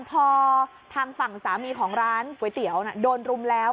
พอทางฝั่งสามีของร้านก๋วยเตี๋ยวโดนรุมแล้ว